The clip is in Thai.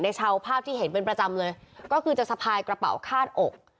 ชาวภาพที่เห็นเป็นประจำเลยก็คือจะสะพายกระเป๋าคาดอก